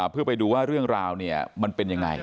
เพื่อไปดูว่าเรื่องราวเนี่ยมันเป็นยังไง